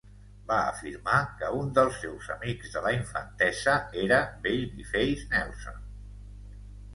Va afirmar que un dels seus amics de la infantesa era Baby Face Nelson.